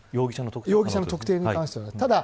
容疑者の特定に関しては。